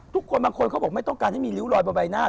จริงแต่ตัวทำไมต้องการมีริ้วลอยบนใบหน้า